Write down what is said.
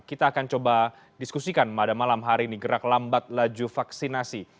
kita akan coba diskusikan pada malam hari ini gerak lambat laju vaksinasi